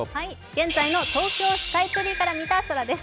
現在の東京スカイツリーから見た空です。